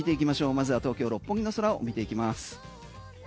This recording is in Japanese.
まずは東京・六本木の空を見ていきます。